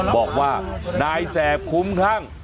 บอกว่านายแสบคุ้มคลั่ง